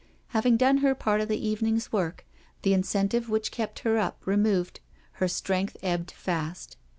Having done her part of the evening's work, the incentive which kept her up removed, her strength ebbed fast.